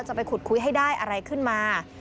จะไปขุดคุยให้ได้อะไรขึ้นมา